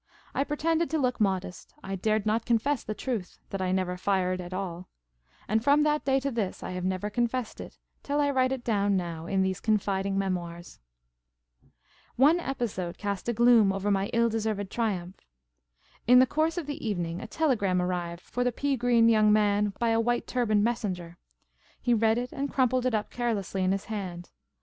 I pretended to look modest. I dared not confess the truth — that I never fired at all. And from IT S I WHO AM THE WINNAH. that day to this I have nev^er confessed it, till I write it down now in these confiding memoirs. One episode cast a gloom over my ill deserved triumph. In the course of the evening, a telegram arrived for the pea green young man by a white turbaned messenger. He read it, and crumpled it up carelessly in his hand.